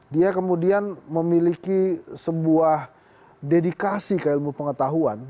dia kemudian memiliki sebuah dedikasi ke ilmu pengetahuan